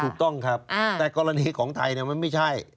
ถูกต้องครับแต่กรณีของไทยมันไม่ใช่